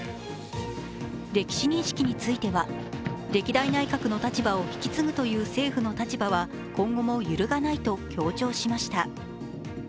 歴史認識については歴代内閣の立場を引き継ぐという政府の立場は今後も揺るがないと強調しました。